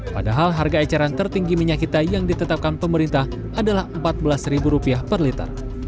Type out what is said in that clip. padahal harga eceran tertinggi minyak kita yang ditetapkan pemerintah adalah rp empat belas per liter